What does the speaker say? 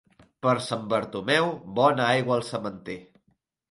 Per Sant Bartomeu, bona aigua al sementer.